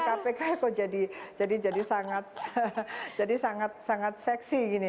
sangat seksi karena banyak yang cinta dengan lembaga ini